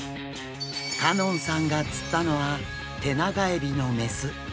香音さんが釣ったのはテナガエビの雌。